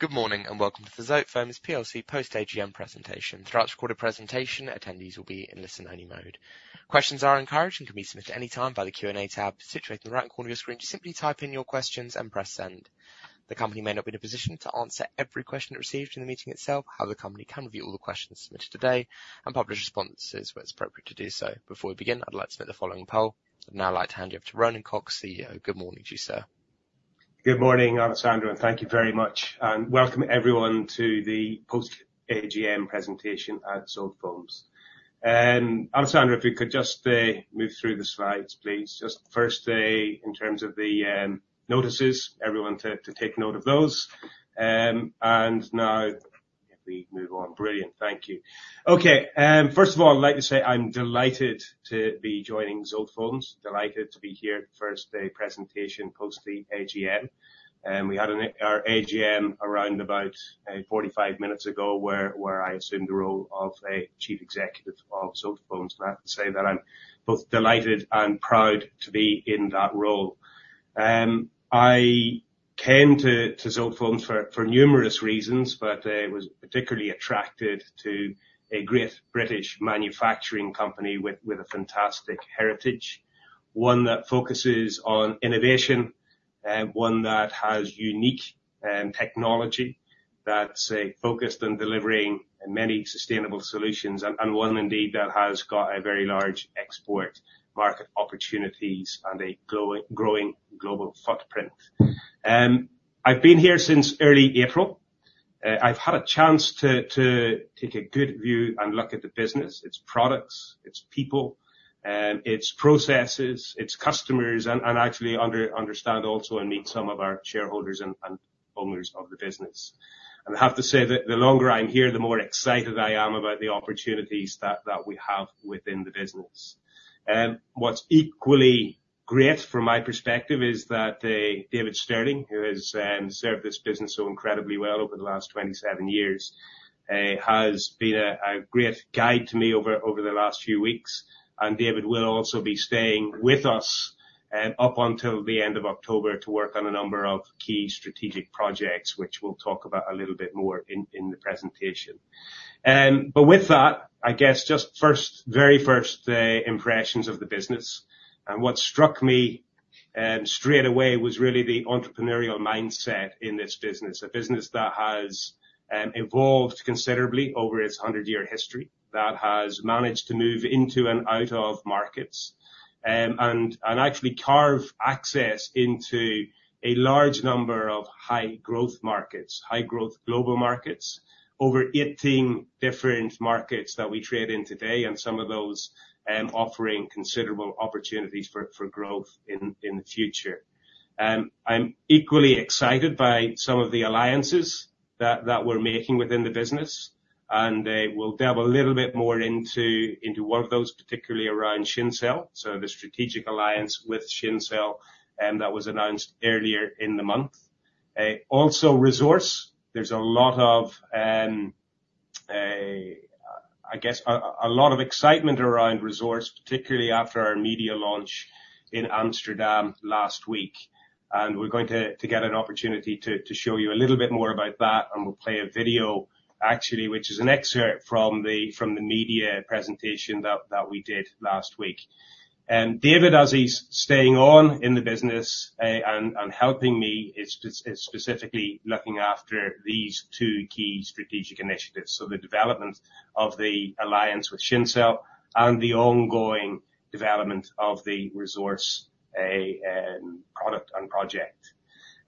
Good morning, and welcome to the Zotefoams PLC post-AGM presentation. Throughout the recorded presentation, attendees will be in listen-only mode. Questions are encouraged and can be submitted anytime by the Q&A tab situated in the right corner of your screen. Just simply type in your questions and press Send. The company may not be in a position to answer every question it receives during the meeting itself; however, the company can review all the questions submitted today and publish responses where it's appropriate to do so. Before we begin, I'd like to submit the following poll. I'd now like to hand you off to Ronan Cox, CEO. Good morning to you, sir. Good morning, Alessandro, and thank you very much, and welcome everyone to the post-AGM presentation at Zotefoams. Alessandro, if you could just move through the slides, please. Just first, in terms of the notices, everyone to take note of those. And now if we move on. Brilliant. Thank you. Okay, first of all, I'd like to say I'm delighted to be joining Zotefoams, delighted to be here for the first presentation, post the AGM. We had our AGM around about 45 minutes ago, where I assumed the role of Chief Executive of Zotefoams. I have to say that I'm both delighted and proud to be in that role. I came to Zotefoams for numerous reasons, but was particularly attracted to a great British manufacturing company with a fantastic heritage. One that focuses on innovation, one that has unique, technology, that's, focused on delivering many sustainable solutions, and one indeed, that has got a very large export market opportunities and a growing global footprint. I've been here since early April. I've had a chance to take a good view and look at the business, its products, its people, its processes, its customers, and actually understand also and meet some of our shareholders and owners of the business. And I have to say that the longer I'm here, the more excited I am about the opportunities that we have within the business. What's equally great from my perspective is that, David Stirling, who has served this business so incredibly well over the last 27 years, has been a great guide to me over the last few weeks, and David will also be staying with us up until the end of October to work on a number of key strategic projects, which we'll talk about a little bit more in the presentation. But with that, I guess just first, very first, impressions of the business. What struck me straight away was really the entrepreneurial mindset in this business. A business that has evolved considerably over its 100-year history, that has managed to move into and out of markets, and actually carve access into a large number of high growth markets, high growth global markets. Over 18 different markets that we trade in today, and some of those offering considerable opportunities for growth in the future. I'm equally excited by some of the alliances that we're making within the business, and we'll dive a little bit more into one of those, particularly around Shincell. So the strategic alliance with Shincell that was announced earlier in the month. Also ReZorce. There's a lot of I guess a lot of excitement around ReZorce, particularly after our media launch in Amsterdam last week, and we're going to get an opportunity to show you a little bit more about that, and we'll play a video, actually, which is an excerpt from the media presentation that we did last week. David, as he's staying on in the business, and helping me, is specifically looking after these two key strategic initiatives. So the development of the alliance with Shincell and the ongoing development of the ReZorce product and project.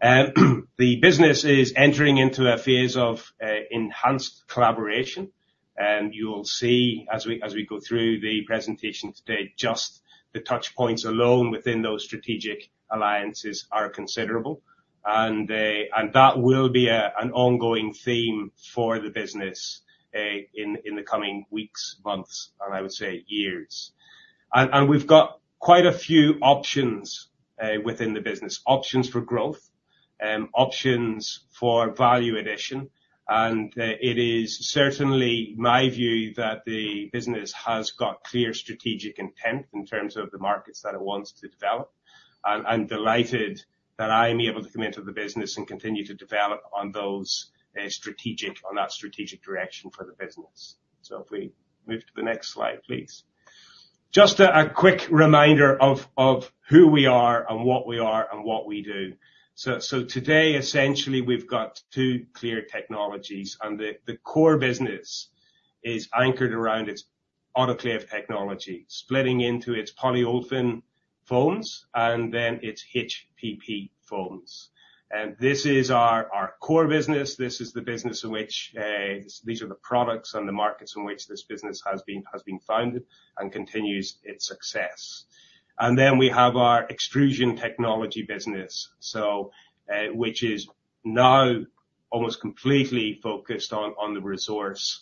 The business is entering into a phase of enhanced collaboration, and you will see, as we go through the presentation today, just the touch points alone within those strategic alliances are considerable. And that will be an ongoing theme for the business in the coming weeks, months, and I would say years. And we've got quite a few options within the business. Options for growth, options for value addition, and it is certainly my view that the business has got clear strategic intent in terms of the markets that it wants to develop. I'm delighted that I'm able to come into the business and continue to develop on those, on that strategic direction for the business. If we move to the next slide, please. Just a quick reminder of who we are and what we are and what we do. Today, essentially, we've got two clear technologies, and the core business is anchored around its autoclave technology, splitting into its polyolefin foams, and then its HPP foams. This is our core business. This is the business in which these are the products and the markets in which this business has been founded and continues its success. And then we have our extrusion technology business, so, which is now almost completely focused on the ReZorce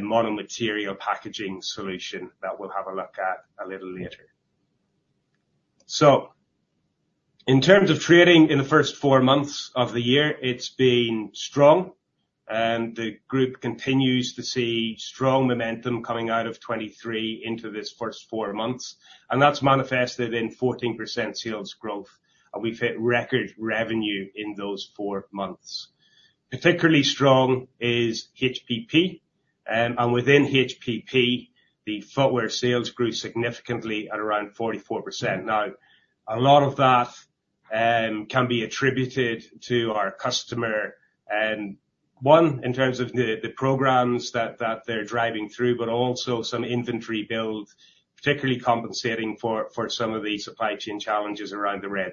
mono-material packaging solution that we'll have a look at a little later. So in terms of trading in the first four months of the year, it's been strong. And the group continues to see strong momentum coming out of 2023 into this first four months, and that's manifested in 14% sales growth, and we've hit record revenue in those four months. Particularly strong is HPP, and within HPP, the footwear sales grew significantly at around 44%. Now, a lot of that can be attributed to our customer Nike, in terms of the programs that they're driving through, but also some inventory build, particularly compensating for some of the supply chain challenges around the Red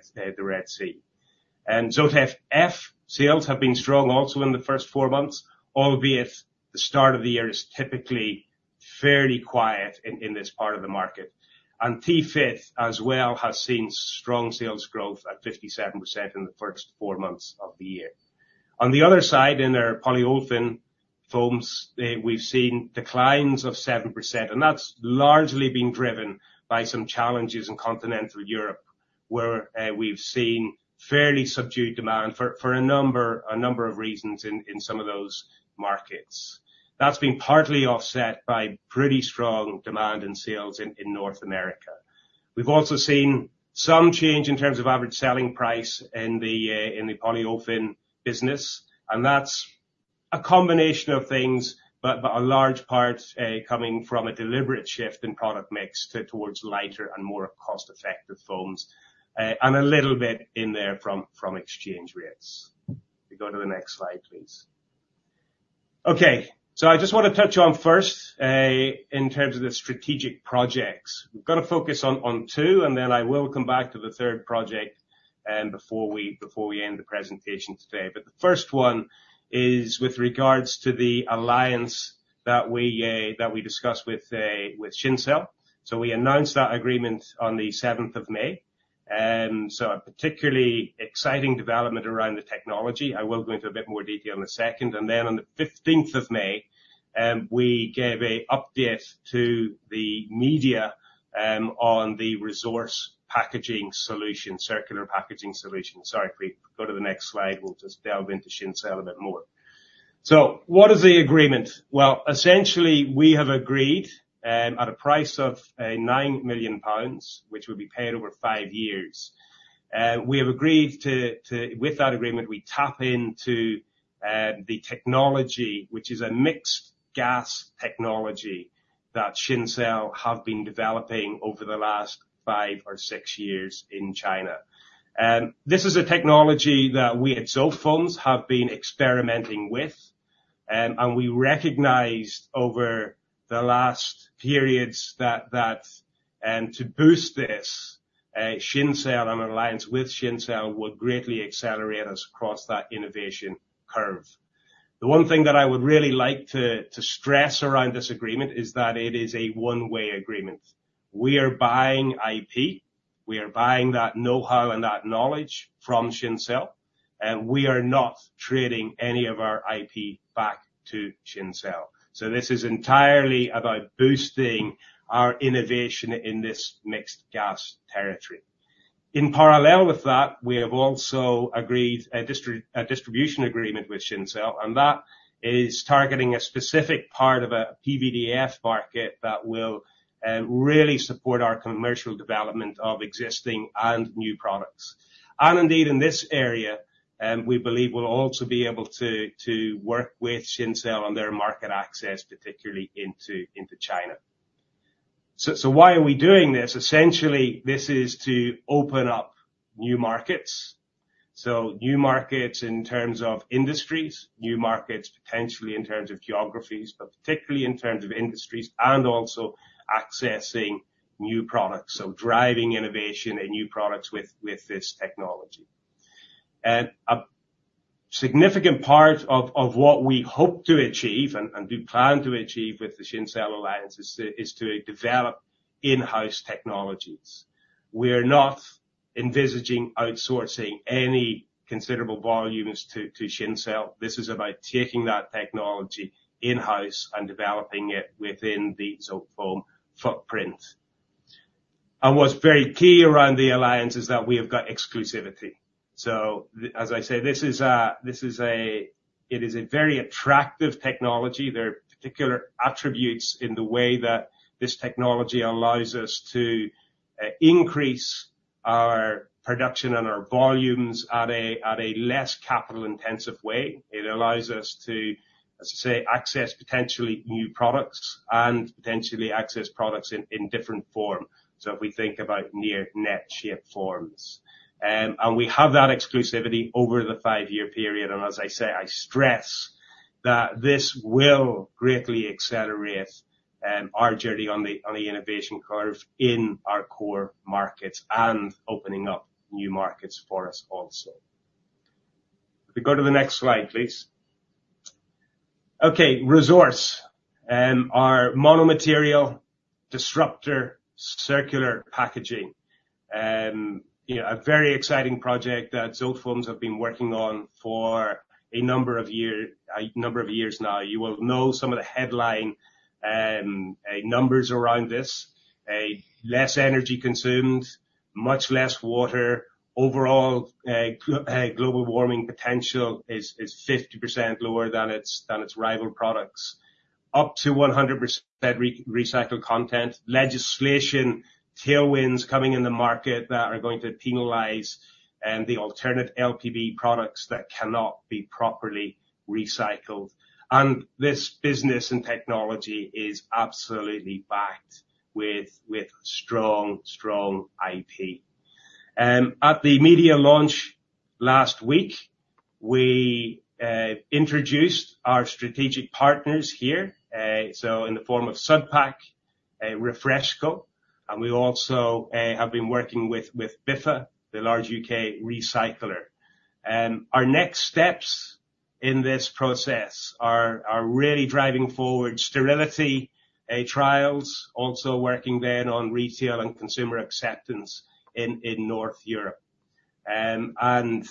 Sea. ZOTEK F sales have been strong also in the first four months, albeit the start of the year is typically fairly quiet in this part of the market. T-FIT, as well, has seen strong sales growth at 57% in the first four months of the year. On the other side, in our polyolefin foams, we've seen declines of 7%, and that's largely been driven by some challenges in continental Europe, where we've seen fairly subdued demand for a number of reasons in some of those markets. That's been partly offset by pretty strong demand in sales in North America. We've also seen some change in terms of average selling price in the polyolefin business, and that's a combination of things, but a large part coming from a deliberate shift in product mix towards lighter and more cost-effective foams, and a little bit in there from exchange rates. We go to the next slide, please. Okay. So I just want to touch on first in terms of the strategic projects. We've got to focus on two, and then I will come back to the third project before we end the presentation today. But the first one is with regards to the alliance that we discussed with Shincell. So we announced that agreement on the seventh of May, so a particularly exciting development around the technology. I will go into a bit more detail in a second. Then on the fifteenth of May, we gave an update to the media on the ReZorce packaging solution, circular packaging solution. Sorry, please go to the next slide. We'll just delve into Shincell a bit more. So what is the agreement? Well, essentially, we have agreed at a price of nine million pounds, which will be paid over five years. We have agreed. With that agreement, we tap into the technology, which is a mixed gas technology, that Shincell have been developing over the last five or six years in China. This is a technology that we at Zotefoams have been experimenting with, and we recognized over the last periods that to boost this, an alliance with Shincell would greatly accelerate us across that innovation curve. The one thing that I would really like to stress around this agreement is that it is a one-way agreement. We are buying IP, we are buying that know-how and that knowledge from Shincell, and we are not trading any of our IP back to Shincell. So this is entirely about boosting our innovation in this mixed gas territory. In parallel with that, we have also agreed a distribution agreement with Shincell, and that is targeting a specific part of a PVDF market that will really support our commercial development of existing and new products. And indeed, in this area, we believe we'll also be able to work with Shincell on their market access, particularly into China. So why are we doing this? Essentially, this is to open up new markets. New markets in terms of industries, new markets, potentially in terms of geographies, but particularly in terms of industries, and also accessing new products. Driving innovation and new products with this technology. A significant part of what we hope to achieve and we plan to achieve with the Shincell alliance is to develop in-house technologies. We are not envisaging outsourcing any considerable volumes to Shincell. This is about taking that technology in-house and developing it within the Zotefoams footprint. What's very key around the alliance is that we have got exclusivity. So as I say, it is a very attractive technology. There are particular attributes in the way that this technology allows us to increase our production and our volumes at a less capital-intensive way. It allows us to, as I say, access potentially new products and potentially access products in different form. So if we think about near net shape foams. And we have that exclusivity over the five-year period, and as I say, I stress that this will greatly accelerate our journey on the innovation curve in our core markets and opening up new markets for us also. If we go to the next slide, please. Okay, ReZorce, our mono-material disruptor, circular packaging. You know, a very exciting project that Zotefoams have been working on for a number of year, a number of years now. You will know some of the headline numbers around this, a less energy consumed, much less water. Overall, global warming potential is 50% lower than its rival products. Up to 100% recycled content. Legislation tailwinds coming in the market that are going to penalize the alternate LPB products that cannot be properly recycled. This business and technology is absolutely backed with strong, strong IP. At the media launch last week, we introduced our strategic partners here, so in the form of Südpack, Refresco, and we also have been working with Biffa, the large U.K. recycler. Our next steps in this process are really driving forward sterility trials, also working then on retail and consumer acceptance in North Europe. And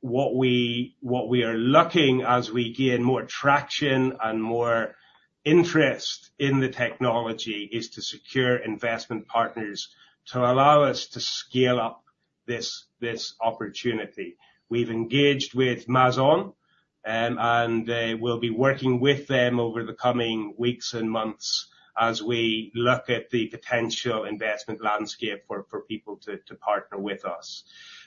what we are looking as we gain more traction and more interest in the technology is to secure investment partners to allow us to scale up this opportunity. We've engaged with Mazzone, and we'll be working with them over the coming weeks and months as we look at the potential investment landscape for people to partner with us.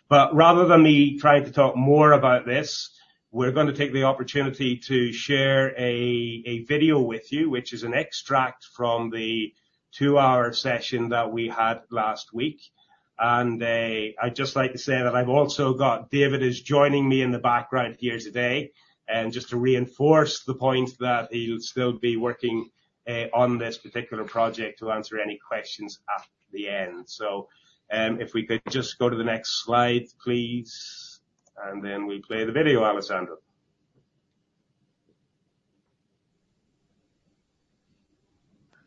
But rather than me trying to talk more about this, we're gonna take the opportunity to share a video with you, which is an extract from the two-hour session that we had last week. I'd just like to say that I've also got David is joining me in the background here today, and just to reinforce the point that he'll still be working on this particular project to answer any questions at the end. So, if we could just go to the next slide, please, and then we play the video, Alessandro.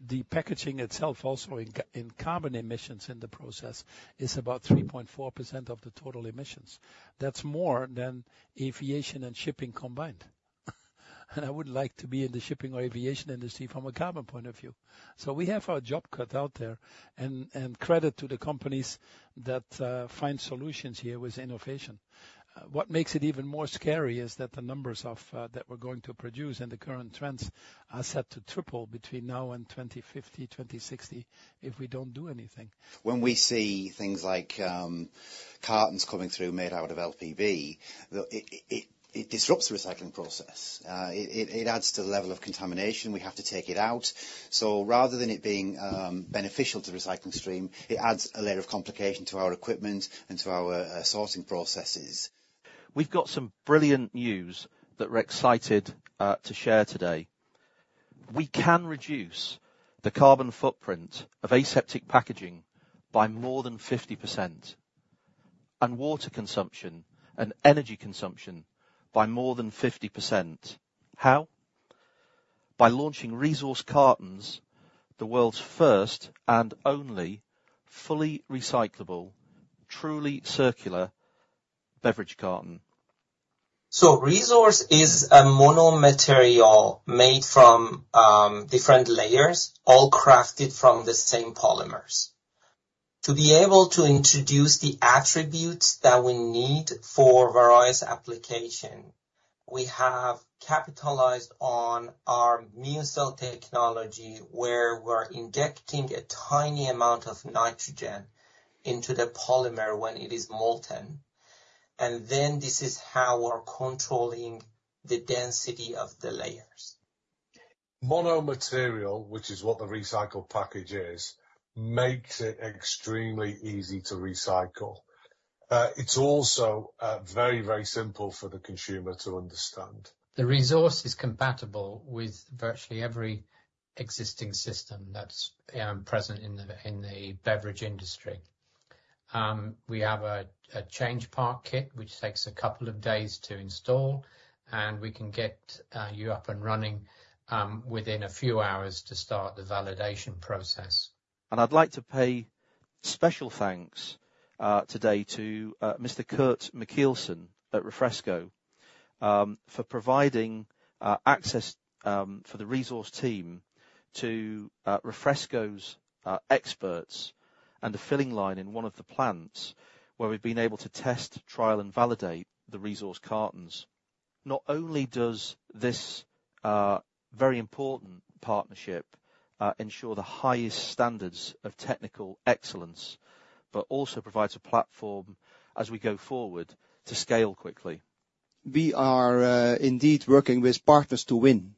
The packaging itself, also in carbon emissions in the process, is about 3.4% of the total emissions. That's more than aviation and shipping combined. I would like to be in the shipping or aviation industry from a carbon point of view. We have our job cut out there, and credit to the companies that find solutions here with innovation. What makes it even more scary is that the numbers that we're going to produce and the current trends are set to triple between now and 2050, 2060, if we don't do anything. When we see things like, cartons coming through, made out of LPB, well, it disrupts the recycling process. It adds to the level of contamination. We have to take it out, so rather than it being, beneficial to recycling stream, it adds a layer of complication to our equipment and to our, sorting processes. We've got some brilliant news that we're excited to share today. We can reduce the carbon footprint of aseptic packaging by more than 50%, and water consumption and energy consumption by more than 50%. How? By launching ReZorce Cartons, the world's first and only fully recyclable, truly circular beverage carton. ReZorce is a mono-material made from different layers, all crafted from the same polymers. To be able to introduce the attributes that we need for various applications, we have capitalized on our MuCell technology, where we're injecting a tiny amount of nitrogen into the polymer when it is molten, and then this is how we're controlling the density of the layers. Mono-material, which is what the recycled package is, makes it extremely easy to recycle. It's also very, very simple for the consumer to understand. ReZorce is compatible with virtually every existing system that's present in the beverage industry. We have a change part kit, which takes a couple of days to install, and we can get you up and running within a few hours to start the validation process. I'd like to pay special thanks today to Mr. Coert Michielsen at Refresco for providing access for the ReZorce team to Refresco's experts, and the filling line in one of the plants where we've been able to test, trial, and validate the ReZorce cartons. Not only does this very important partnership ensure the highest standards of technical excellence, but also provides a platform as we go forward to scale quickly. We are, indeed working with partners to win.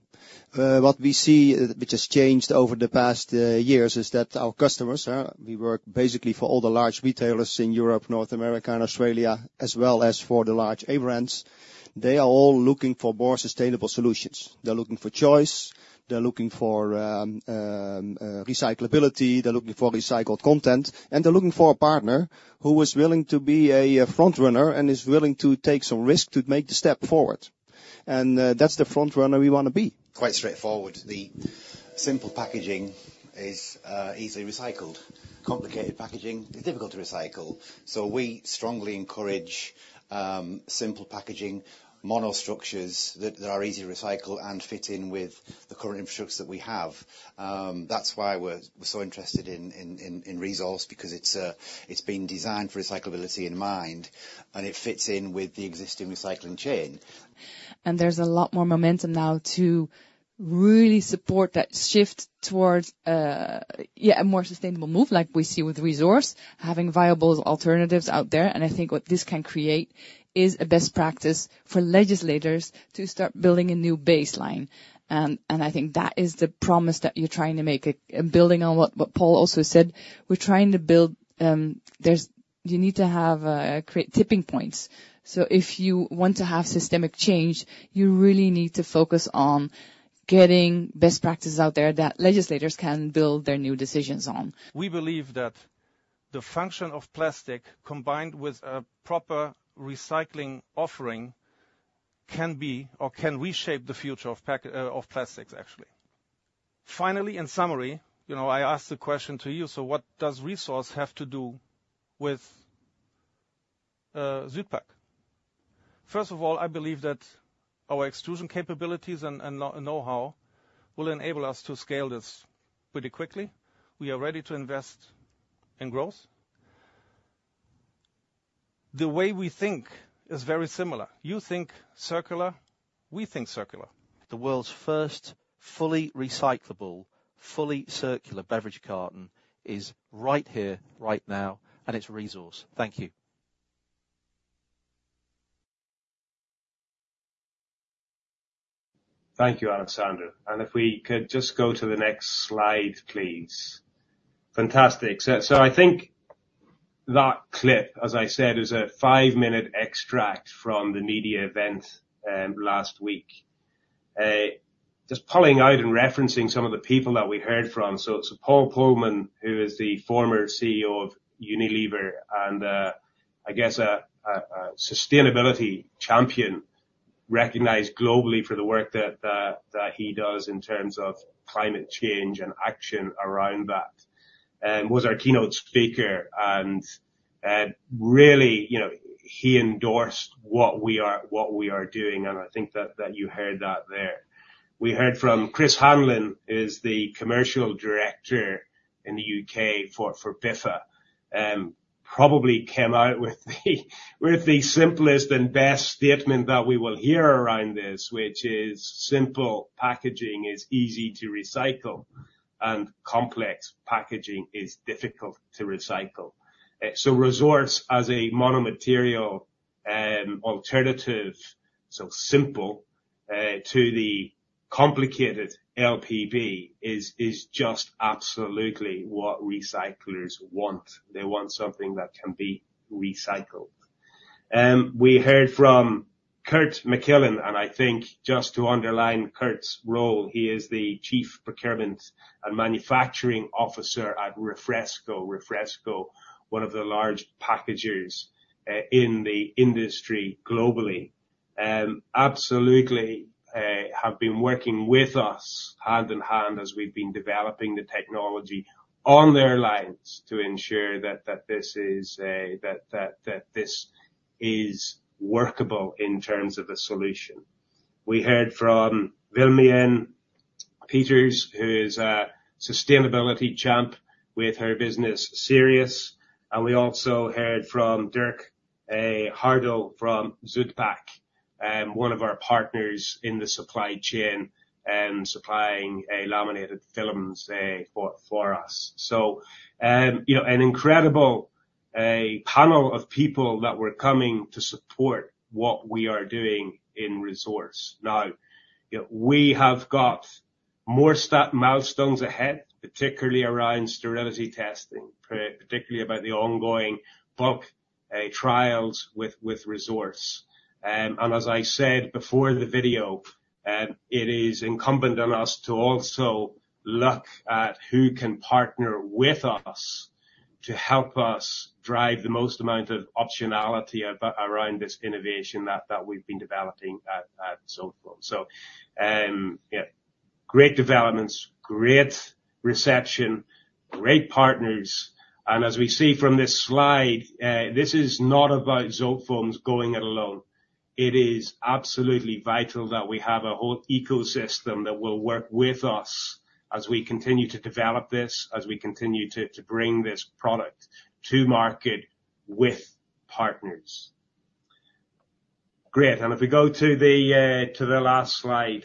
What we see, which has changed over the past, years, is that our customers, we work basically for all the large retailers in Europe, North America, and Australia, as well as for the large A brands. They are all looking for more sustainable solutions. They're looking for choice-... They're looking for recyclability, they're looking for recycled content, and they're looking for a partner who is willing to be a front runner and is willing to take some risk to make the step forward. And that's the front runner we wanna be. Quite straightforward. The simple packaging is easily recycled. Complicated packaging, they're difficult to recycle. So we strongly encourage simple packaging, monostructures, that are easy to recycle and fit in with the current infrastructure that we have. That's why we're so interested in ReZorce, because it's been designed for recyclability in mind, and it fits in with the existing recycling chain. There's a lot more momentum now to really support that shift towards, yeah, a more sustainable move, like we see with ReZorce, having viable alternatives out there. I think what this can create is a best practice for legislators to start building a new baseline. I think that is the promise that you're trying to make. Building on what Paul also said, we're trying to build, you need to have create tipping points. So if you want to have systemic change, you really need to focus on getting best practices out there that legislators can build their new decisions on. We believe that the function of plastic, combined with a proper recycling offering, can be or can reshape the future of pack, of plastics, actually. Finally, in summary, you know, I asked the question to you: So what does ReZorce have to do with Südpack? First of all, I believe that our extrusion capabilities and know-how will enable us to scale this pretty quickly. We are ready to invest in growth. The way we think is very similar. You think circular, we think circular. The world's first fully recyclable, fully circular beverage carton is right here, right now, and it's ReZorce. Thank you. Thank you, Alessandro. And if we could just go to the next slide, please. Fantastic. So I think that clip, as I said, is a five-minute extract from the media event last week. Just pulling out and referencing some of the people that we heard from. So Paul Polman, who is the former CEO of Unilever and I guess a sustainability champion, recognized globally for the work that he does in terms of climate change and action around that, was our keynote speaker, and really, you know, he endorsed what we are, what we are doing, and I think that you heard that there. We heard from Chris Hanlon, Commercial Director in the UK for Biffa, probably came out with the simplest and best statement that we will hear around this, which is: Simple packaging is easy to recycle, and complex packaging is difficult to recycle. So ReZorce, as a monomaterial alternative, so simple to the complicated LPB, is just absolutely what recyclers want. They want something that can be recycled. We heard from Coert Michielsen, and I think just to underline Coert's role, he is the Chief Procurement and Manufacturing Officer at Refresco. Refresco, one of the large packagers in the industry globally, absolutely have been working with us hand in hand as we've been developing the technology on their lines to ensure that this is workable in terms of a solution. We heard from Willemijn Peeters, who is a sustainability champ with her business, Searious, and we also heard from Dirk Hardow from Südpack, one of our partners in the supply chain, supplying laminated films for us. So, you know, an incredible panel of people that were coming to support what we are doing in ReZorce. Now, we have got more stat milestones ahead, particularly around sterility testing, particularly about the ongoing bug trials with ReZorce. And as I said before the video, it is incumbent on us to also look at who can partner with us, to help us drive the most amount of optionality around this innovation that we've been developing at Zotefoams. So, yeah, great developments, great reception, great partners, and as we see from this slide, this is not about Zotefoams going it alone. It is absolutely vital that we have a whole ecosystem that will work with us as we continue to develop this, as we continue to bring this product to market with partners. Great, and if we go to the last slide.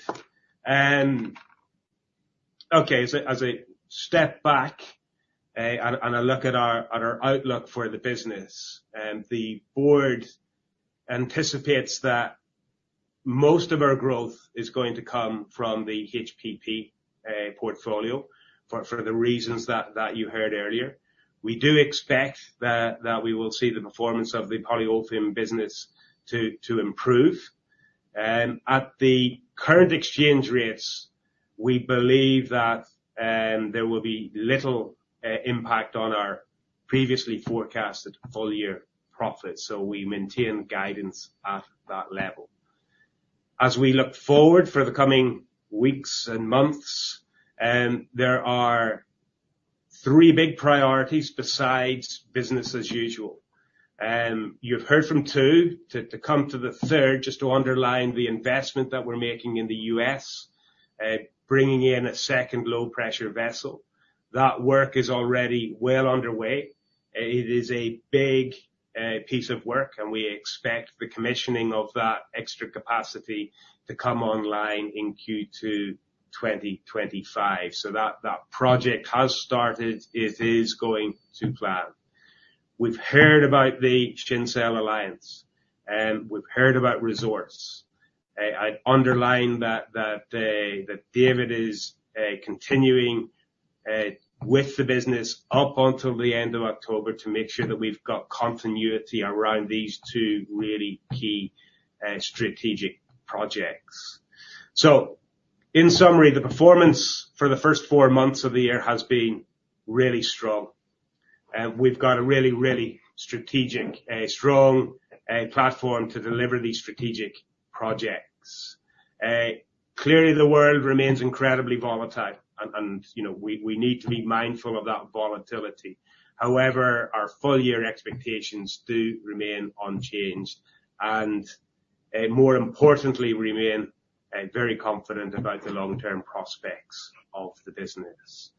Okay, so as a step back, and a look at our outlook for the business, the board anticipates that most of our growth is going to come from the HPP portfolio, for the reasons that you heard earlier. We do expect that we will see the performance of the polyolefin business to improve. At the current exchange rates, we believe that there will be little impact on our previously forecasted full year profits, so we maintain guidance at that level. As we look forward for the coming weeks and months, there are three big priorities besides business as usual. You've heard from two, to come to the third, just to underline the investment that we're making in the U.S., bringing in a second low-pressure vessel. That work is already well underway. It is a big piece of work, and we expect the commissioning of that extra capacity to come online in Q2 2025. So that project has started. It is going to plan. We've heard about the Shincell Alliance, we've heard about ReZorce. I'd underline that David is continuing with the business up until the end of October to make sure that we've got continuity around these two really key strategic projects. So in summary, the performance for the first four months of the year has been really strong, and we've got a really, really strategic strong platform to deliver these strategic projects. Clearly, the world remains incredibly volatile and, you know, we need to be mindful of that volatility. However, our full year expectations do remain unchanged, and more importantly, we remain very confident about the long-term prospects of the business.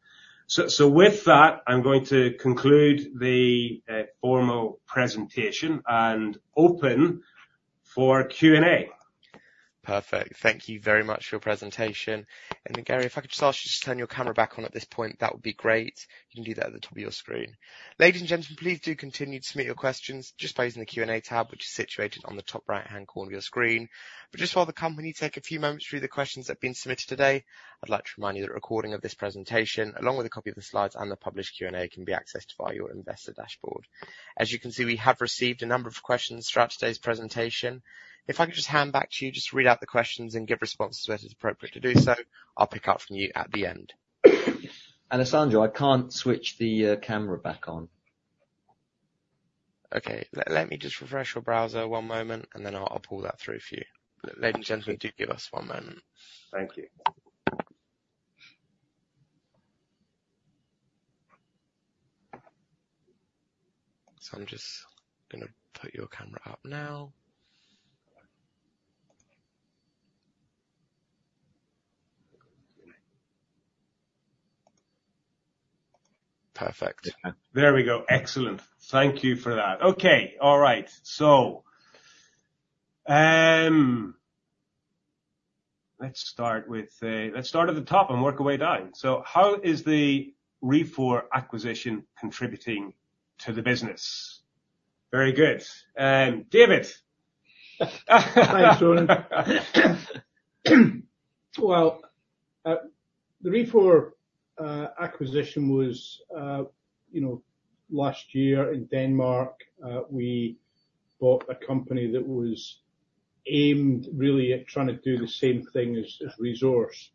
So with that, I'm going to conclude the formal presentation and open for Q&A. Perfect. Thank you very much for your presentation. And then, Gary, if I could just ask you to just turn your camera back on at this point, that would be great. You can do that at the top of your screen. Ladies and gentlemen, please do continue to submit your questions just by using the Q&A tab, which is situated on the top right-hand corner of your screen. But just while the company take a few moments to read the questions that have been submitted today, I'd like to remind you that a recording of this presentation, along with a copy of the slides and the published Q&A, can be accessed via your investor dashboard. As you can see, we have received a number of questions throughout today's presentation. If I could just hand back to you, just read out the questions and give responses to it, if it's appropriate to do so. I'll pick up from you at the end. Alessandro, I can't switch the camera back on. Okay. Let me just refresh your browser, one moment, and then I'll pull that through for you. Ladies and gentlemen, do give us one moment. Thank you. I'm just gonna put your camera up now. Perfect. There we go. Excellent. Thank you for that. Okay. All right. So, let's start with... Let's start at the top and work our way down. So how is the Refour acquisition contributing to the business? Very good, David! Thanks, Ronan. Well, the Refour acquisition was, you know, last year in Denmark, we bought a company that was aimed really at trying to do the same thing as ReZorce.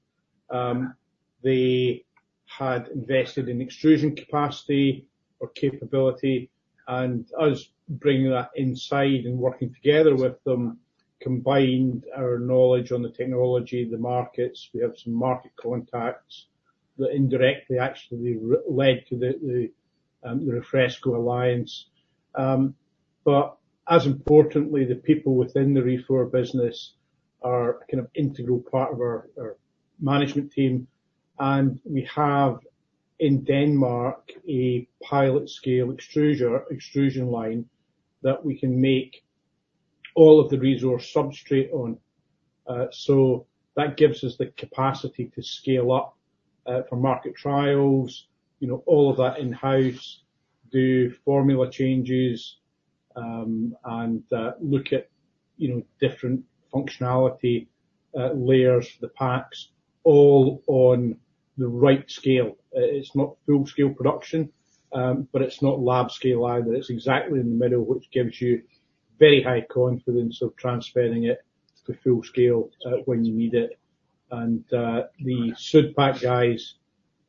They had invested in extrusion capacity or capability, and us bringing that inside and working together with them, combined our knowledge on the technology, the markets. We have some market contacts that indirectly actually led to the Refresco alliance. But as importantly, the people within the Refour business are a kind of integral part of our management team, and we have, in Denmark, a pilot-scale extruder, extrusion line that we can make all of the ReZorce substrate on. So that gives us the capacity to scale up, for market trials, you know, all of that in-house, do formula changes, and look at, you know, different functionality, layers for the packs, all on the right scale. It's not full-scale production, but it's not lab scale either. It's exactly in the middle, which gives you very high confidence of transferring it to full scale, when you need it. And the Südpack guys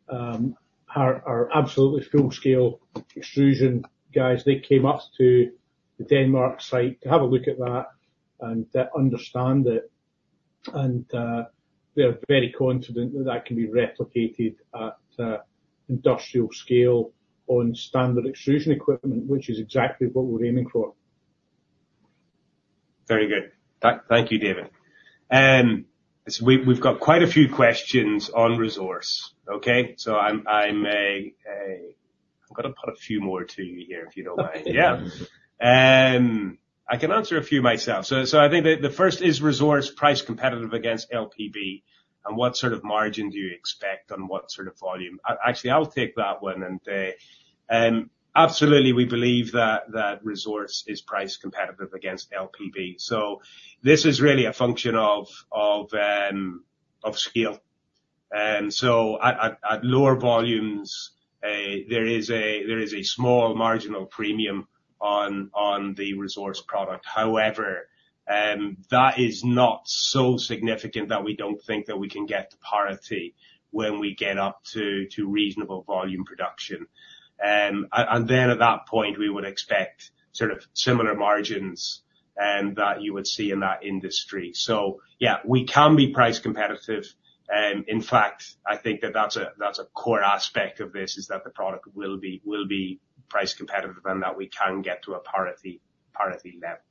are absolutely full scale extrusion guys. They came up to the Denmark site to have a look at that and understand it, and they're very confident that that can be replicated at industrial scale on standard extrusion equipment, which is exactly what we're aiming for. Very good. Thank you, David. So we've got quite a few questions on ReZorce, okay? So I'm gonna put a few more to you here, if you don't mind. Yeah. I can answer a few myself. So I think the first: Is ReZorce price competitive against LPB, and what sort of margin do you expect on what sort of volume? Actually, I'll take that one, and absolutely we believe that ReZorce is price competitive against LPB. So this is really a function of scale. And so at lower volumes, there is a small marginal premium on the ReZorce product. However, that is not so significant that we don't think that we can get to parity when we get up to reasonable volume production. Then at that point, we would expect sort of similar margins that you would see in that industry. So yeah, we can be price competitive. In fact, I think that's a core aspect of this, is that the product will be price competitive and that we can get to a parity level.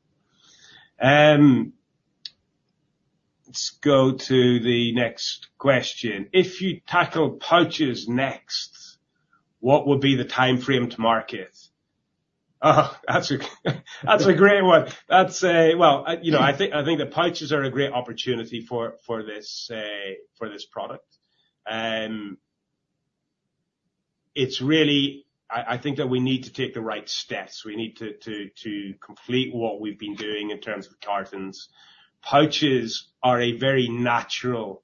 Let's go to the next question. If you tackle pouches next, what would be the timeframe to market? Oh, that's a great one. Well, you know, I think the pouches are a great opportunity for this product. It's really, I think that we need to take the right steps. We need to complete what we've been doing in terms of cartons. Pouches are a very natural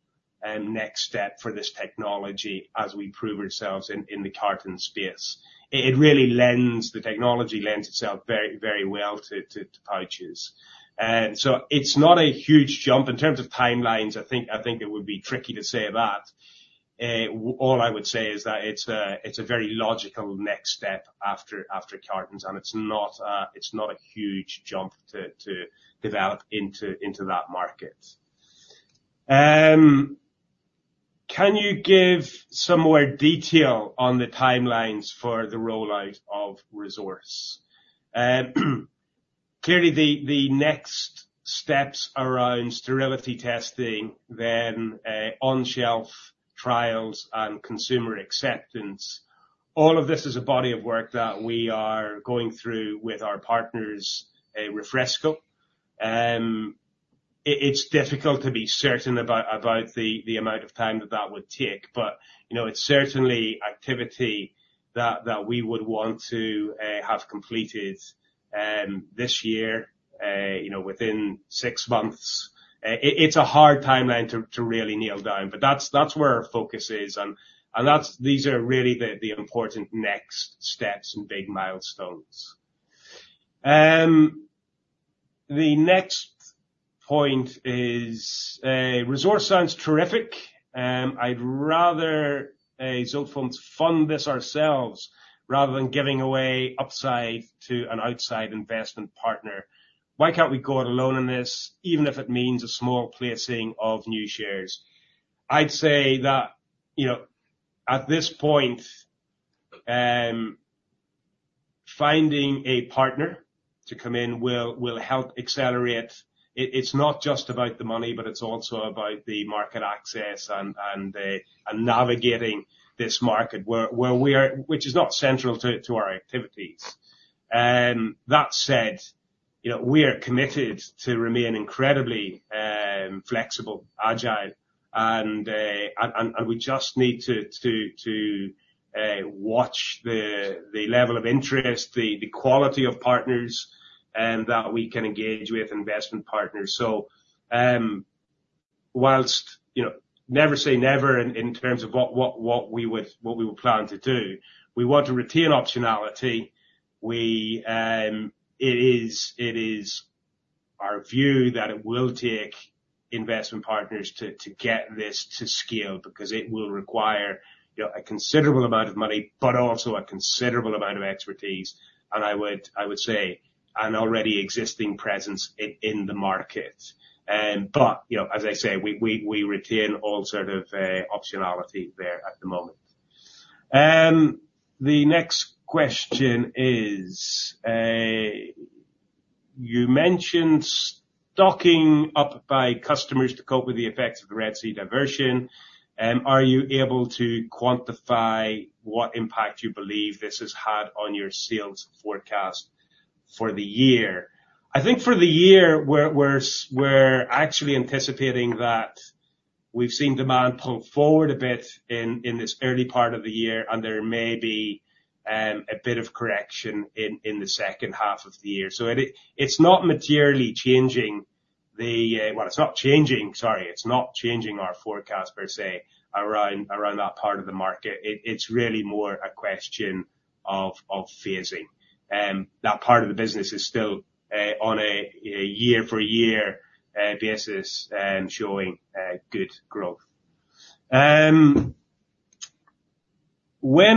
next step for this technology as we prove ourselves in the carton space. It really the technology lends itself very, very well to pouches. And so it's not a huge jump. In terms of timelines, I think it would be tricky to say that. All I would say is that it's a very logical next step after cartons, and it's not a huge jump to develop into that market. Can you give some more detail on the timelines for the rollout of ReZorce? Clearly the next steps around sterility testing, then on-shelf trials and consumer acceptance, all of this is a body of work that we are going through with our partners, Refresco. It's difficult to be certain about the amount of time that would take, but, you know, it's certainly activity that we would want to have completed this year, you know, within six months. It's a hard timeline to really nail down, but that's where our focus is, and that's these are really the important next steps and big milestones. The next point is, ReZorce sounds terrific. I'd rather Zotefoams fund this ourselves rather than giving away upside to an outside investment partner. Why can't we go it alone in this, even if it means a small placing of new shares? I'd say that, you know, at this point, finding a partner to come in will help accelerate... It's not just about the money, but it's also about the market access and navigating this market, where we are, which is not central to our activities. That said, you know, we are committed to remain incredibly flexible, agile, and we just need to watch the level of interest, the quality of partners that we can engage with investment partners. So, whilst, you know, never say never in terms of what we would plan to do, we want to retain optionality. It is our view that it will take investment partners to get this to scale, because it will require, you know, a considerable amount of money, but also a considerable amount of expertise, and I would say, an already existing presence in the market. But, you know, as I say, we retain all sort of optionality there at the moment. The next question is, you mentioned stocking up by customers to cope with the effects of the Red Sea diversion. Are you able to quantify what impact you believe this has had on your sales forecast for the year? I think for the year, we're actually anticipating that we've seen demand pull forward a bit in this early part of the year, and there may be a bit of correction in the second half of the year. So it's not materially changing the, well, it's not changing, sorry. It's not changing our forecast, per se, around that part of the market. It's really more a question of phasing. That part of the business is still on a year-for-year basis showing good growth. When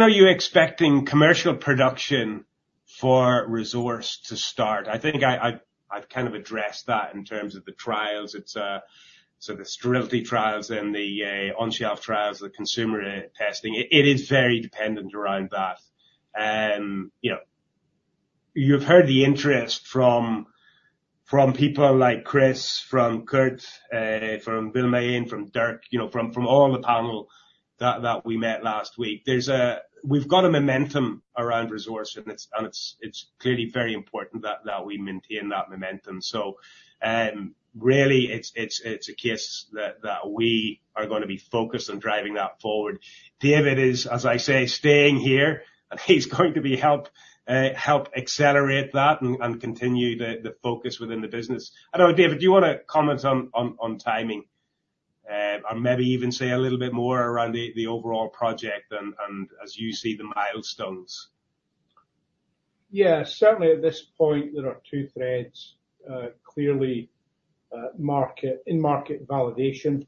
are you expecting commercial production for ReZorce to start? I think I've kind of addressed that in terms of the trials. It's so the sterility trials and the on-shelf trials, the consumer testing. It is very dependent around that. You know, you've heard the interest from, from people like Chris, from Coert, from Willemijn, from Dirk, you know, from, from all the panel that, that we met last week. We've got a momentum around ReZorce, and it's clearly very important that, that we maintain that momentum. So, really, it's a case that, that we are gonna be focused on driving that forward. David is, as I say, staying here, and he's going to help accelerate that and continue the focus within the business. I don't know, David, do you wanna comment on timing? And maybe even say a little bit more around the overall project and as you see the milestones. Yeah, certainly at this point, there are two threads. Clearly, market in-market validation.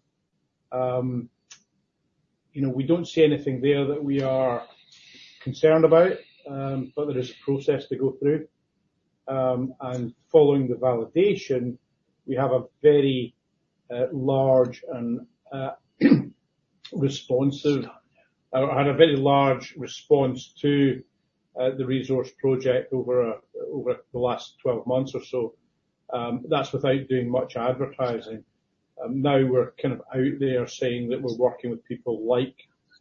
You know, we don't see anything there that we are concerned about, but there is a process to go through. And following the validation, we have had a very large response to the ReZorce project over the last 12 months or so. That's without doing much advertising. Now we're kind of out there, saying that we're working with people like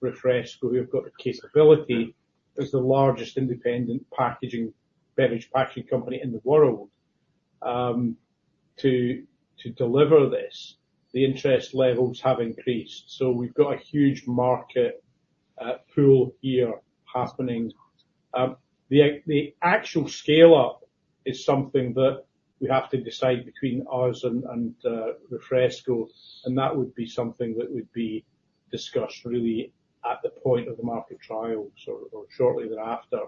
Refresco, who have got the capability, as the largest independent packaging, beverage packaging company in the world. To deliver this, the interest levels have increased, so we've got a huge market pool here happening. The actual scale up is something that we have to decide between us and Refresco, and that would be something that would be discussed really at the point of the market trials or shortly thereafter.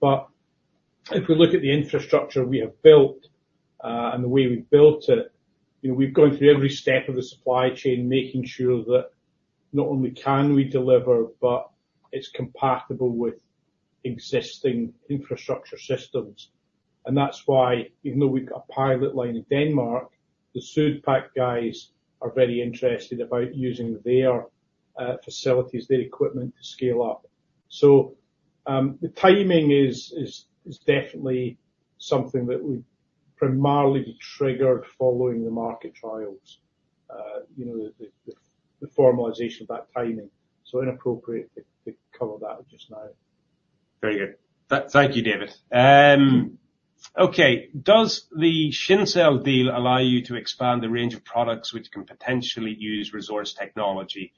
But if we look at the infrastructure we have built and the way we've built it, you know, we've gone through every step of the supply chain, making sure that not only can we deliver, but it's compatible with existing infrastructure systems. And that's why even though we've got a pilot line in Denmark, the Südpack guys are very interested about using their facilities, their equipment to scale up. So, the timing is definitely something that would primarily be triggered following the market trials. You know, the formalization of that timing, so inappropriate to cover that just now. Very good. Thank you, David. Okay, does the Shincell deal allow you to expand the range of products which can potentially use ReZorce technology?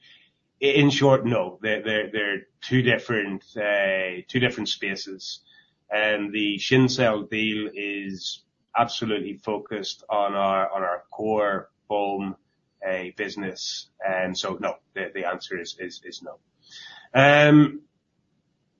In short, no. They're two different spaces, and the Shincell deal is absolutely focused on our core foam business, and so, no, the answer is no.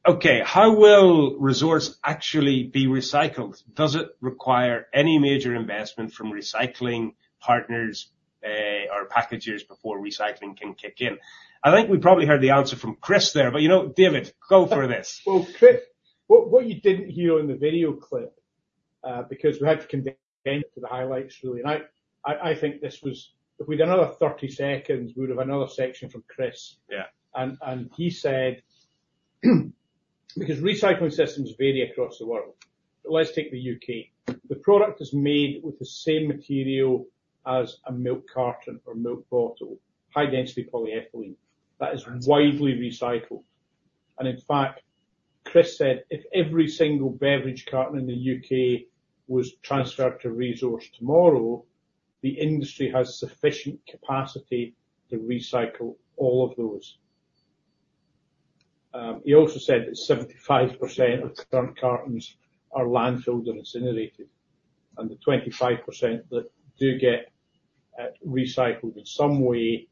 Okay, how will ReZorce actually be recycled? Does it require any major investment from recycling partners or packagers before recycling can kick in? I think we probably heard the answer from Chris there, but, you know, David, go for this. Well, Chris, what you didn't hear in the video clip, because we had to condense the highlights really, and I think this was... If we'd another 30 seconds, we'd have another section from Chris. Yeah. And, and he said, because recycling systems vary across the world, but let's take the U.K. The product is made with the same material as a milk carton or milk bottle, high-density polyethylene- Right ... that is widely recycled. In fact, Chris said, "If every single beverage carton in the U.K. was transferred to ReZorce tomorrow, the industry has sufficient capacity to recycle all of those." He also said that 75% of current cartons are landfilled and incinerated, and the 25% that do get recycled in some way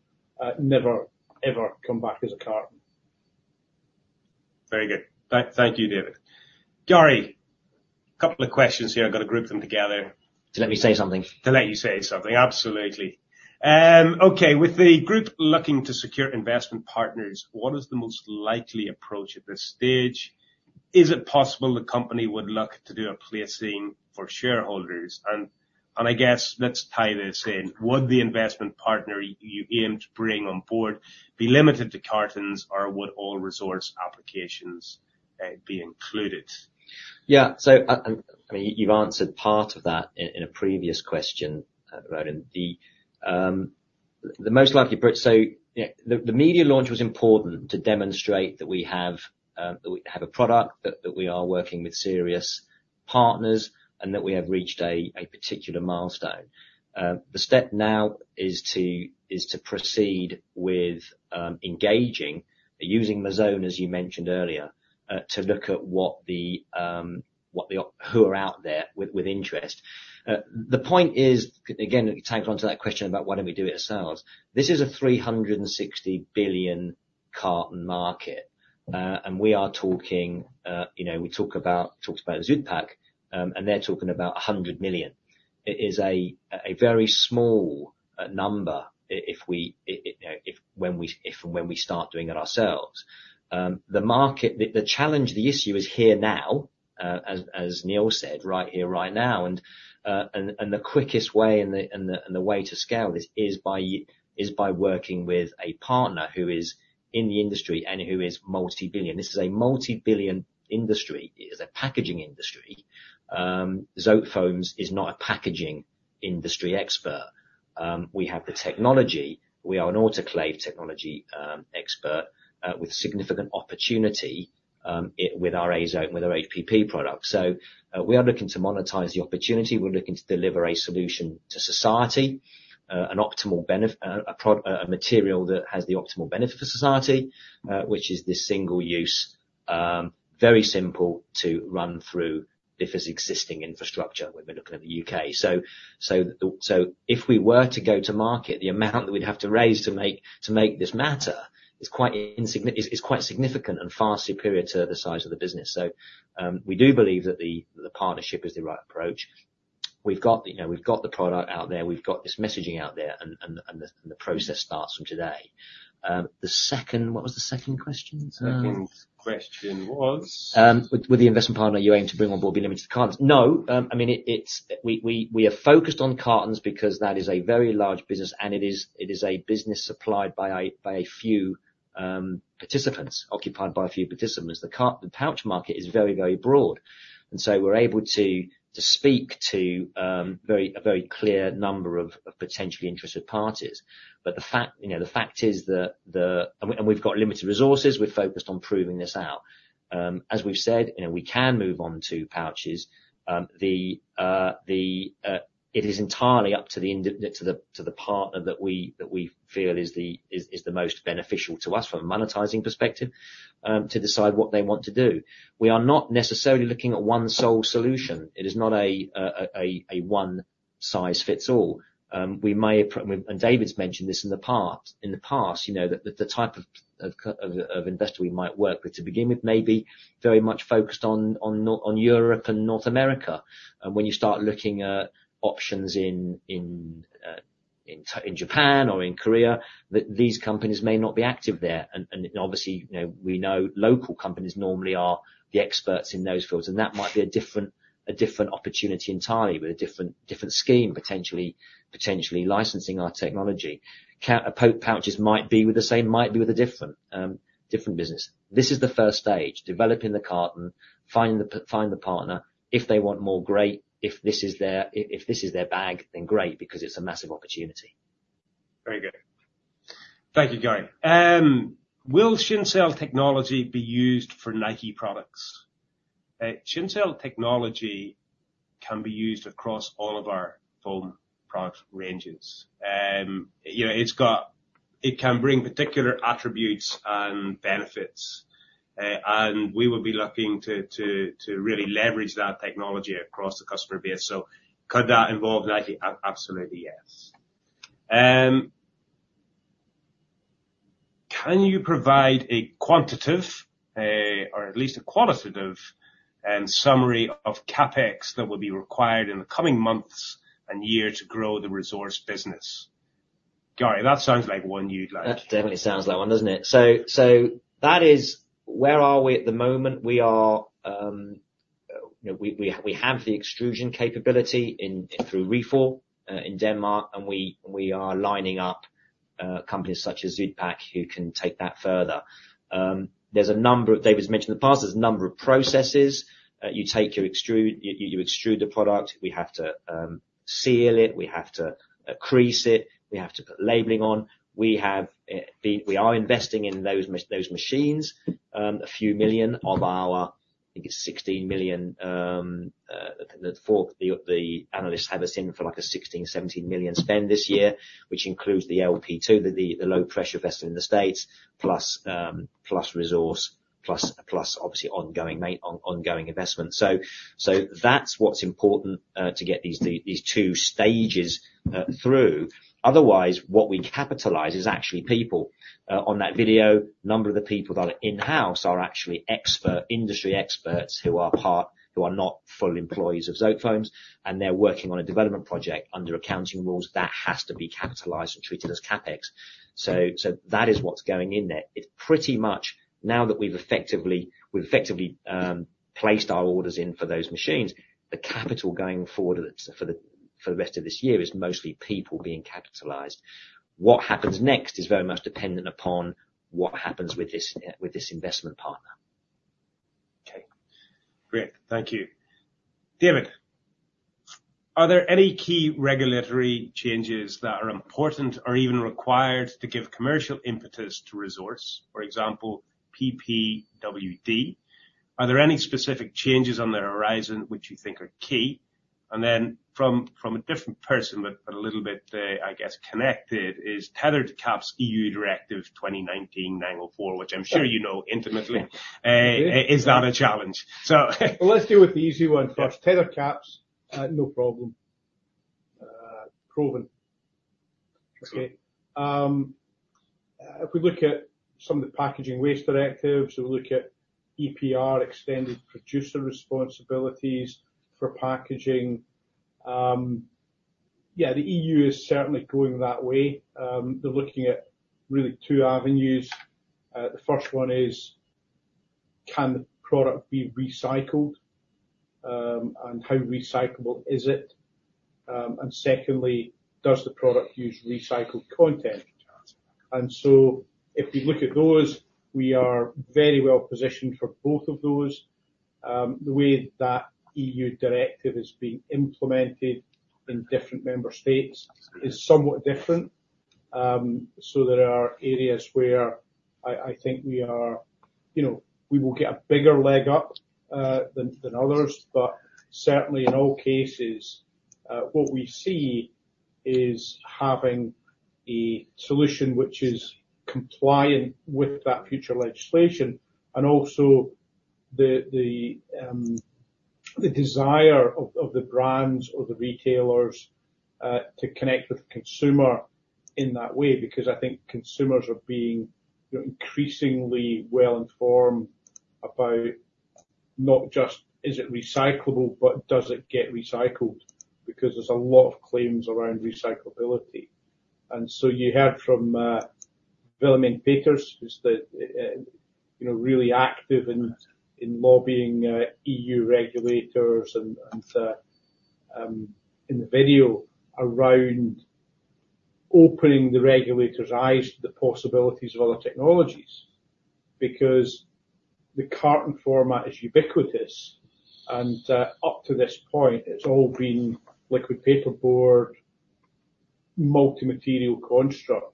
never, ever come back as a carton. Very good. Thank you, David. Gary, a couple of questions here. I'm gonna group them together. To let me say something? To let you say something, absolutely. Okay, with the group looking to secure investment partners, what is the most likely approach at this stage? Is it possible the company would look to do a placing for shareholders? And I guess let's tie this in. Would the investment partner you aim to bring on board be limited to cartons, or would all ReZorce applications be included? Yeah, so, I mean, you've answered part of that in a previous question about the most likely approach. So, yeah, the media launch was important to demonstrate that we have a product, that we are working with serious partners, and that we have reached a particular milestone. The step now is to proceed with engaging using Mazzone, as you mentioned earlier, to look at who are out there with interest. The point is, again, tack onto that question about why don't we do it ourselves? This is a $360 billion carton market, and we are talking, you know, we talked about Südpack, and they're talking about a $100 million. It is a very small number if we, you know, if and when we start doing it ourselves. The market, the challenge, the issue is here now, as Neil said, right here, right now, and the quickest way and the way to scale this is by working with a partner who is in the industry and who is multi-billion. This is a multi-billion industry. It is a packaging industry. Zotefoams is not a packaging industry expert. We have the technology. We are an autoclave technology expert with significant opportunity with our AZOTE, with our HPP products. So, we are looking to monetize the opportunity. We're looking to deliver a solution to society, an optimal benefit, a product, a material that has the optimal benefit for society, which is this single use, very simple to run through if it's existing infrastructure, when we're looking at the UK. So, if we were to go to market, the amount that we'd have to raise to make this matter is quite significant and far superior to the size of the business. So, we do believe that the partnership is the right approach. We've got, you know, we've got the product out there, we've got this messaging out there, and the process starts from today. What was the second question, sorry? Second question was- Would the investment partner you aim to bring on board be limited to cartons? No, I mean, we are focused on cartons because that is a very large business, and it is a business supplied by a few participants, occupied by a few participants. The pouch market is very, very broad, and so we're able to speak to a very clear number of potentially interested parties. But the fact, you know, the fact is that the... And we've got limited resources, we're focused on proving this out. As we've said, you know, we can move on to pouches. The... It is entirely up to the partner that we feel is the most beneficial to us from a monetizing perspective to decide what they want to do. We are not necessarily looking at one sole solution. It is not a one size fits all. We may, and David's mentioned this in the past, you know, that the type of investor we might work with to begin with may be very much focused on Europe and North America. And when you start looking at options in Japan or in Korea, these companies may not be active there. Obviously, you know, we know local companies normally are the experts in those fields, and that might be a different opportunity entirely, with a different scheme, potentially licensing our technology. Pouches might be with the same, might be with a different business. This is the first stage, developing the carton, find the partner. If they want more, great. If this is their bag, then great, because it's a massive opportunity. Very good. Thank you, Gary. Will Shincell technology be used for Nike products? Shincell technology can be used across all of our foam product ranges. You know, it's got. It can bring particular attributes and benefits, and we will be looking to really leverage that technology across the customer base. So could that involve Nike? Absolutely, yes. Can you provide a quantitative or at least a qualitative summary of CapEx that will be required in the coming months and year to grow the ReZorce business? Gary, that sounds like one you'd like. That definitely sounds like one, doesn't it? So that is, where are we at the moment? We are, you know, we have the extrusion capability in, through Refour, in Denmark, and we are lining up, companies such as Südpack, who can take that further. There's a number of- David's mentioned in the past, there's a number of processes. You take your extrude, you extrude the product, we have to seal it, we have to crease it, we have to put labeling on. We have, we are investing in those ma- those machines. A few million of our, I think it's 16 million, the fork... The analysts have us in for like a 16-17 million spend this year, which includes the LP2, the low-pressure vessel in the States, plus ReZorce, plus obviously ongoing investment. So that's what's important to get these two stages through. Otherwise, what we capitalize is actually people. On that video, a number of the people that are in-house are actually expert industry experts, who are not full employees of Zotefoams, and they're working on a development project. Under accounting rules, that has to be capitalized and treated as CapEx. So that is what's going in there. It's pretty much now that we've effectively placed our orders in for those machines, the capital going forward for the rest of this year is mostly people being capitalized. What happens next is very much dependent upon what happens with this, with this investment partner. Okay, great. Thank you. David, are there any key regulatory changes that are important or even required to give commercial impetus to ReZorce, for example, PPWD? Are there any specific changes on the horizon which you think are key? And then from a different person, but a little bit, I guess, connected, is tethered caps EU Directive 2019/904, which I'm sure you know intimately. Is that a challenge? So Well, let's deal with the easy one first. Yeah. Tethered caps, no problem. Proven. Okay. If we look at some of the packaging waste directives, we look at EPR, Extended Producer Responsibilities for packaging, yeah, the EU is certainly going that way. They're looking at really two avenues. The first one is: Can the product be recycled? And how recyclable is it? And secondly: Does the product use recycled content? And so if you look at those, we are very well positioned for both of those. The way that EU directive is being implemented in different member states is somewhat different. So there are areas where I think we are, you know, we will get a bigger leg up than others. But certainly, in all cases, what we see... is having a solution which is compliant with that future legislation, and also the, the, the desire of, of the brands or the retailers, to connect with the consumer in that way, because I think consumers are being, you know, increasingly well-informed about not just is it recyclable, but does it get recycled? Because there's a lot of claims around recyclability. And so you heard from, Willemijn Peeters, who's the, you know, really active in, in lobbying, EU regulators and, and, in the video around opening the regulators' eyes to the possibilities of other technologies, because the carton format is ubiquitous, and, up to this point, it's all been liquid packaging board, multi-material construct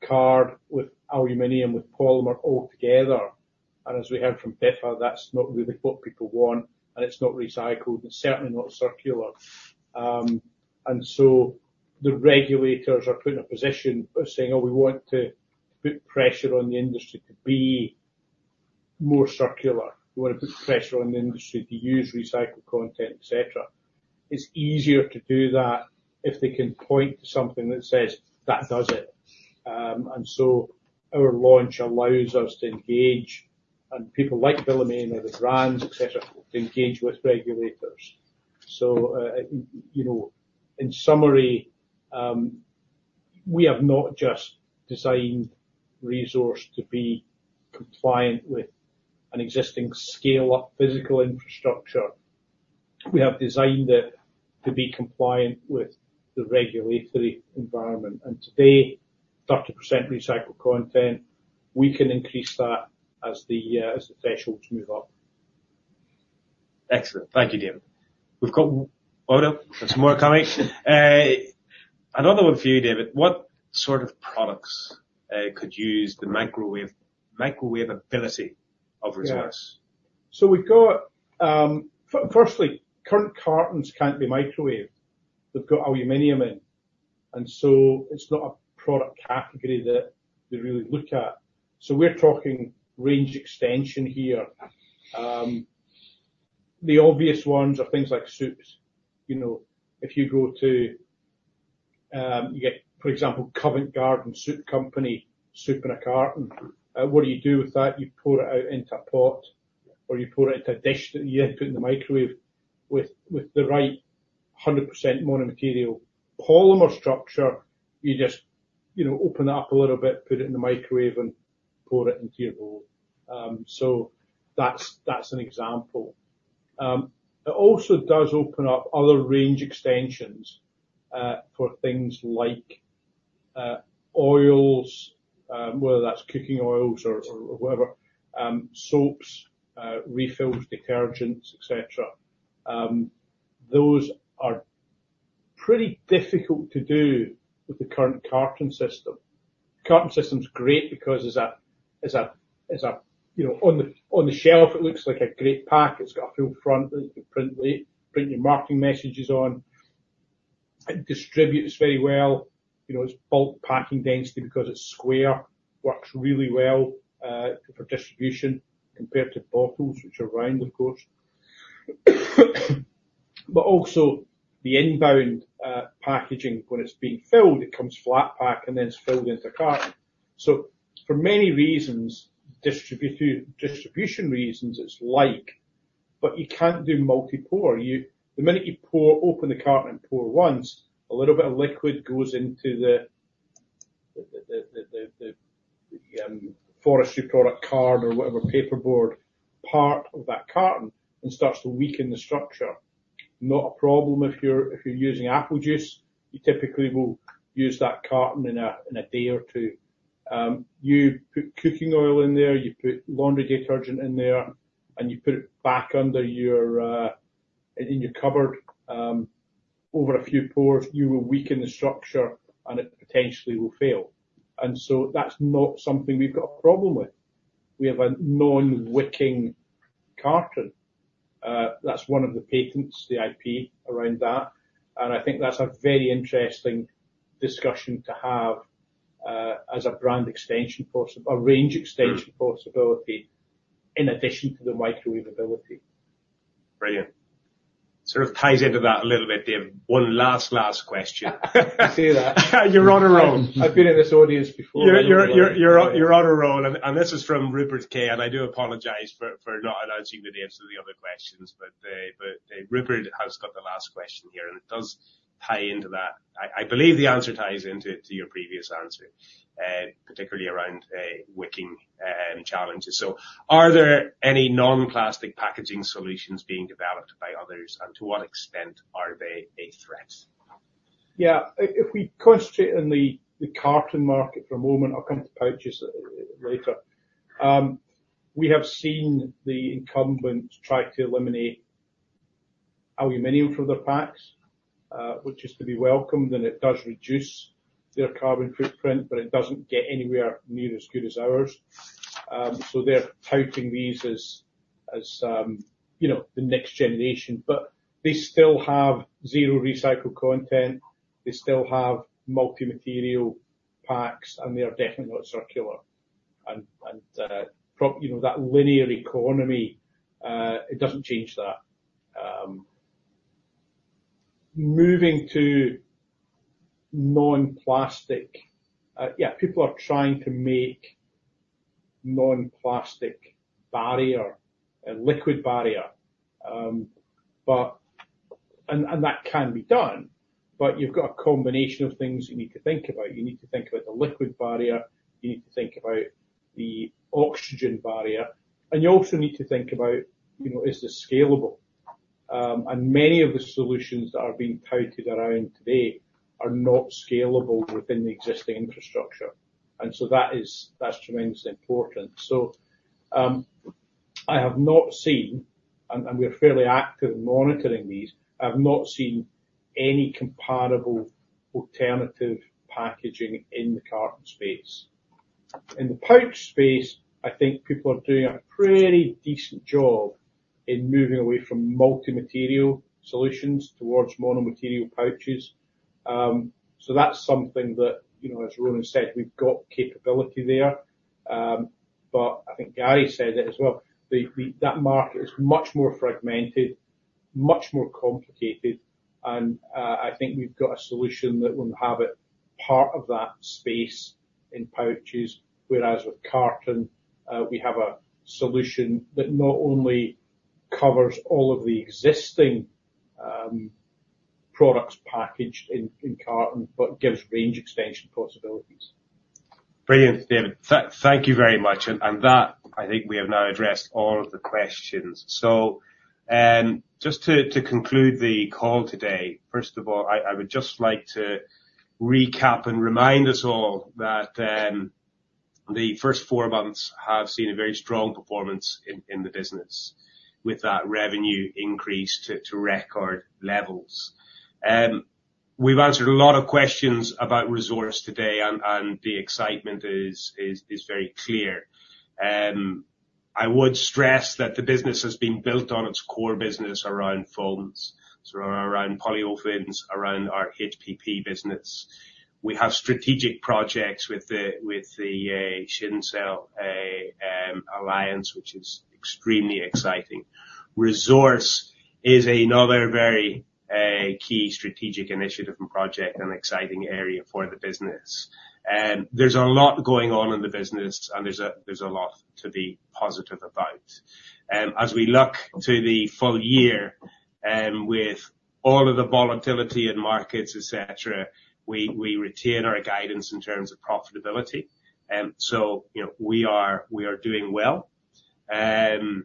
with cardboard, with aluminum, with polymer all together. And as we heard from Biffa, that's not really what people want, and it's not recycled and certainly not circular. and so the regulators are put in a position of saying, "Oh, we want to put pressure on the industry to be more circular. We want to put pressure on the industry to use recycled content," et cetera. It's easier to do that if they can point to something that says, "That does it." and so our launch allows us to engage and people like Willemien or the brands, et cetera, to engage with regulators. So, you know, in summary, we have not just designed ReZorce to be compliant with an existing scale-up physical infrastructure. We have designed it to be compliant with the regulatory environment, and today, 30% recycled content, we can increase that as the, as the thresholds move up. Excellent. Thank you, David. We've got... Hold up! There's more coming. Another one for you, David: What sort of products could use the microwave, microwavability of ReZorce? Yeah. So we've got, firstly, current cartons can't be microwaved. They've got aluminum in, and so it's not a product category that they really look at. So we're talking range extension here. The obvious ones are things like soups. You know, if you go to, you get, for example, Covent Garden Soup Company, soup in a carton. What do you do with that? You pour it out into a pot, or you pour it into a dish that you then put in the microwave. With the right 100% mono-material polymer structure, you just, you know, open it up a little bit, put it in the microwave, and pour it into your bowl. So that's an example. It also does open up other range extensions, for things like, oils, whether that's cooking oils or, or whatever, soaps, refills, detergents, et cetera. Those are pretty difficult to do with the current carton system. The carton system's great because it's a, it's a, it's a... You know, on the, on the shelf, it looks like a great pack. It's got a full front that you can print late, print your marketing messages on. It distributes very well. You know, its bulk packing density, because it's square, works really well, for distribution compared to bottles, which are round, of course. But also, the inbound, packaging, when it's being filled, it comes flat pack and then it's filled into a carton. So for many reasons, distribution reasons, it's light, but you can't do multi-pour. The minute you pour, open the carton and pour once, a little bit of liquid goes into the forestry product, card or whatever, paperboard part of that carton and starts to weaken the structure. Not a problem if you're using apple juice, you typically will use that carton in a day or two. You put cooking oil in there, you put laundry detergent in there, and you put it back under your in your cupboard, over a few pours, you will weaken the structure, and it potentially will fail. And so that's not something we've got a problem with. We have a non-wicking carton. That's one of the patents, the IP around that, and I think that's a very interesting discussion to have, as a brand extension a range extension. Mm. - possibility in addition to the microwavability. Brilliant. Sort of ties into that a little bit, David. One last, last question. I see that. You're on a roll. I've been in this audience before. You're on a roll, and this is from Rupert K., and I do apologize for not allowing you to get to the other questions, but Rupert has got the last question here, and it does tie into that. I believe the answer ties into your previous answer, particularly around wicking and challenges. So are there any non-plastic packaging solutions being developed by others, and to what extent are they a threat? Yeah. If we concentrate on the carton market for a moment, I'll come to pouches later. We have seen the incumbents try to eliminate aluminum from their packs, which is to be welcomed, and it does reduce their carbon footprint, but it doesn't get anywhere near as good as ours. So they're touting these as you know, the next generation, but they still have zero recycled content. They still have multi-material packs, and they are definitely not circular. And you know, that linear economy, it doesn't change that. Moving to non-plastic, yeah, people are trying to make non-plastic barrier, a liquid barrier. But that can be done, but you've got a combination of things you need to think about. You need to think about the liquid barrier, you need to think about the oxygen barrier, and you also need to think about, you know, is this scalable? And many of the solutions that are being touted around today are not scalable within the existing infrastructure, and so that is, that's tremendously important. So, I have not seen, and we're fairly active in monitoring these, I've not seen any comparable alternative packaging in the carton space. In the pouch space, I think people are doing a pretty decent job in moving away from multi-material solutions towards mono-material pouches. So that's something that, you know, as Ronan said, we've got capability there. But I think Gary said it as well, that market is much more fragmented, much more complicated, and I think we've got a solution that will have it part of that space in pouches, whereas with carton, we have a solution that not only covers all of the existing products packaged in carton, but gives range extension possibilities. Brilliant, David. Thank you very much. And that, I think we have now addressed all of the questions. So, just to conclude the call today, first of all, I would just like to recap and remind us all that the first four months have seen a very strong performance in the business with that revenue increase to record levels. We've answered a lot of questions about ReZorce today, and the excitement is very clear. I would stress that the business has been built on its core business around foams, so around polyolefins, around our HPP business. We have strategic projects with the Shincell alliance, which is extremely exciting. ReZorce is another very key strategic initiative and project and exciting area for the business. There's a lot going on in the business, and there's a lot to be positive about. As we look to the full year, with all of the volatility in markets, et cetera, we retain our guidance in terms of profitability. So, you know, we are doing well. And,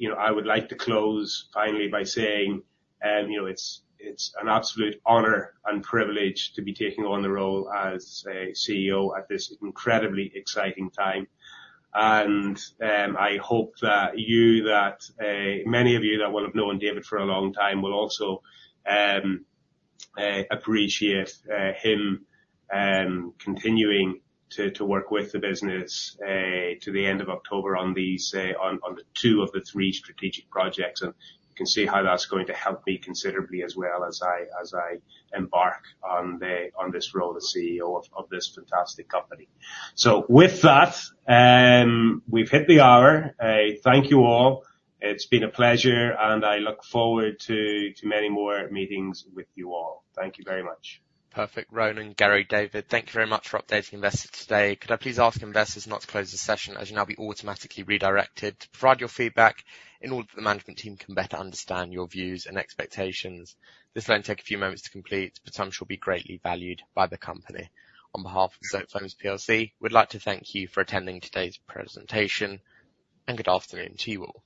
you know, I would like to close finally by saying, you know, it's an absolute honor and privilege to be taking on the role as a CEO at this incredibly exciting time. And, I hope that you-- that many of you that will have known David for a long time will also appreciate him continuing to work with the business to the end of October on these, on the two of the three strategic projects. You can see how that's going to help me considerably as well as I embark on this role as CEO of this fantastic company. So with that, we've hit the hour. Thank you, all. It's been a pleasure, and I look forward to many more meetings with you all. Thank you very much. Perfect. Ronan, Gary, David, thank you very much for updating investors today. Could I please ask investors not to close the session, as you'll now be automatically redirected to provide your feedback in order that the management team can better understand your views and expectations. This will only take a few moments to complete, but some shall be greatly valued by the company. On behalf of Zotefoams PLC, we'd like to thank you for attending today's presentation, and good afternoon to you all.